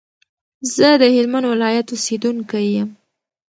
زه دهلمند ولایت اوسیدونکی یم.